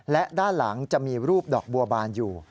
และด้านหลังจะมีรูปดอกบัวบานอยู่